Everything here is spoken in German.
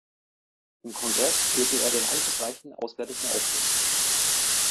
Im Kongress führte er den einflussreichen Auswärtigen Ausschuss.